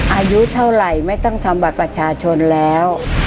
อายุเท่าไหร่ไม่ต้องทำบัตรประชาชนแล้ว